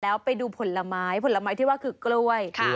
แล้วไปดูผลไม้ผลไม้ที่ว่าคือกล้วย